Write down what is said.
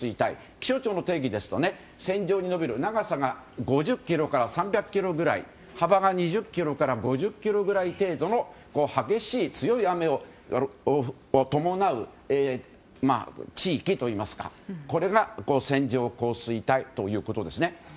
気象庁の定義ですと線状に延びる長さが５０ｋｍから３００ｋｍくらい幅が２０ｋｍから５０ｋｍぐらい程度の激しい強い雨を伴う地域といいますかこれが線状降水帯ということです。